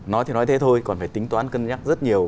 nói thế thôi còn phải tính toán cân nhắc rất nhiều